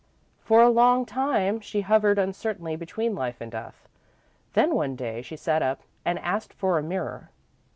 For a long time, she hovered uncertainly between life and death. Then, one day, she sat up and asked for a mirror.